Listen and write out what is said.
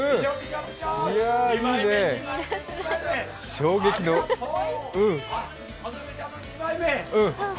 衝撃のうん。